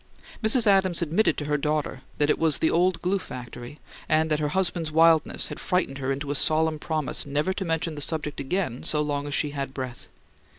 Mrs. Adams admitted to her daughter that it was "the old glue factory" and that her husband's wildness had frightened her into a "solemn promise" never to mention the subject again so long as she had breath.